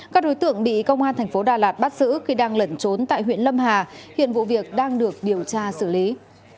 các đối tượng bị công an thành phố đà lạt bắt giữ khi đang lẩn trốn tại huyện lâm hà hiện vụ việc đang được điều tra xử lý